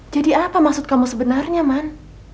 jadi apa maksud kamu sebenarnya man